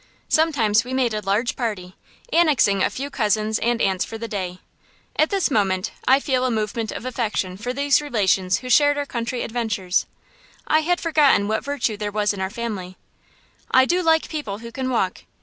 Sometimes we made a large party, annexing a few cousins and aunts for the day. At this moment I feel a movement of affection for these relations who shared our country adventures. I had forgotten what virtue there was in our family; I do like people who can walk.